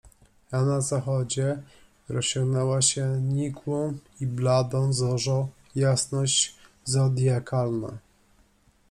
A na zachodzie rozciągnęła się nikłą i bladą zorzą jasność zodyakalna.